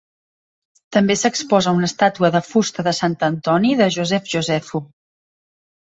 També s'exposa una estàtua de fusta de Sant Antoni de Josef Josephu.